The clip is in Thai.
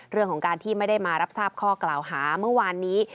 เรื่องของการที่ไม่ได้มารับทราบข้อกล่าวหาเมื่อวานนี้